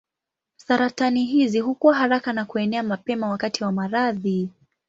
Saratani hizi hukua haraka na kuenea mapema wakati wa maradhi.